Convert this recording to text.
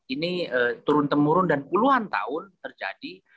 ini turun temurun dan puluhan tahun terjadi